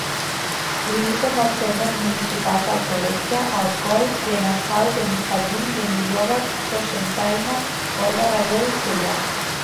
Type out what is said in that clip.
Limita amb els termes municipals d'Alcoleja, Alcoi, Benasau, Benifallim, Benilloba, Cocentaina, Gorga, Relleu i Sella.